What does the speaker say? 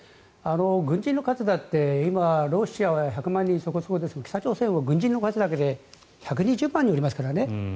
軍人の数だって今ロシアは１００万人そこそこですが北朝鮮は軍人の数だけで１２０万人いますからね。